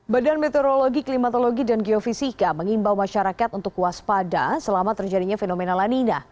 badan meteorologi klimatologi dan geofisika mengimbau masyarakat untuk waspada selama terjadinya fenomena lanina